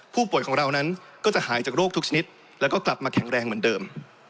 ผู้ป่วยของเรานั้นก็จะหายจากโรคทุกชนิดแล้วก็กลับมาแข็งแรงเหมือนเดิม